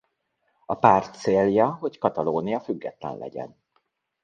A párt célja hogy Katalónia független legyen.